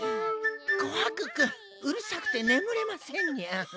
こはく君うるさくてねむれませんにゃ。